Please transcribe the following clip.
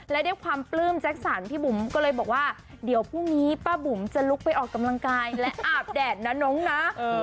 และด้วยความปลื้มแจ็คสันพี่บุ๋มก็เลยบอกว่าเดี๋ยวพรุ่งนี้ป้าบุ๋มจะลุกไปออกกำลังกายและอาบแดดนะน้องนะ